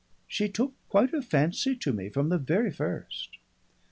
"She took quite a violent fancy to me from the very first."